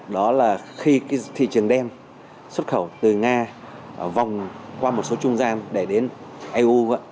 đó là khi thị trường đen xuất khẩu từ nga vòng qua một số trung gian để đến eu